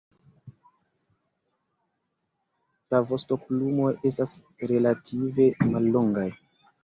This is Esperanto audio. La vostoplumoj estas relative mallongaj.